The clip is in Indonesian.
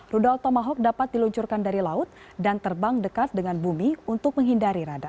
rudal tomahawk dapat diluncurkan dari laut dan terbang dekat dengan bumi untuk menghindari rada